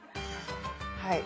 はい。